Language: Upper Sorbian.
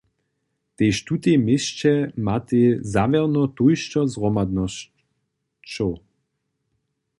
Tež tutej měsće matej zawěrno tójšto zhromadnosćow.